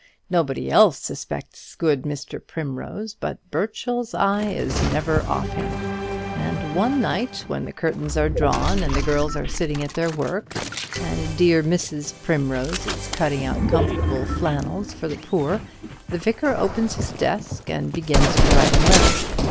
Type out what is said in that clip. Nobody else suspects good Mr. Primrose; but Burchell's eye is never off him; and one night, when the curtains are drawn, and the girls are sitting at their work, and dear Mrs. Primrose is cutting out comfortable flannels for the poor, the Vicar opens his desk, and begins to write a letter.